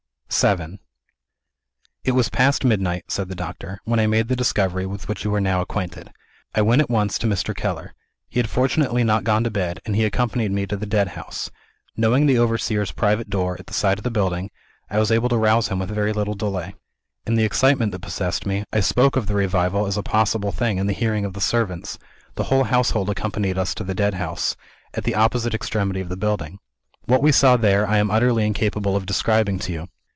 VII "It was past midnight," said the doctor, "when I made the discovery, with which you are now acquainted. I went at once to Mr. Keller. He had fortunately not gone to bed; and he accompanied me to the Deadhouse. Knowing the overseer's private door, at the side of the building, I was able to rouse him with very little delay. In the excitement that possessed me, I spoke of the revival as a possible thing in the hearing of the servants. The whole household accompanied us to the Deadhouse, at the opposite extremity of the building. What we saw there, I am utterly incapable of describing to you.